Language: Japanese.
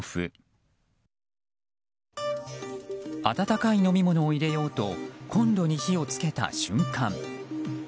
温かい飲み物を入れようとコンロに火をつけた瞬間。